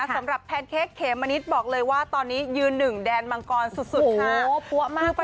สำหรับแพนเค้กเคมมณิดบอกเลยว่าตอนนี้ยืนหนึ่งแดนมังกรสุดสุดค่ะโอ้โหปั้วมากคุณ